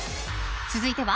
続いては。